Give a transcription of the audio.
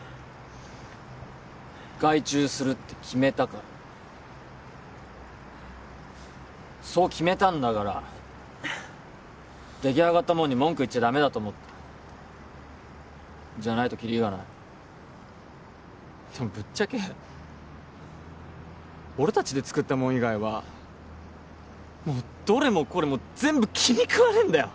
外注するって決めたからそう決めたんだからできあがったもんに文句言っちゃダメだと思ったじゃないとキリがないでもぶっちゃけ俺達で作ったもん以外はもうどれもこれも全部気にくわねえんだよ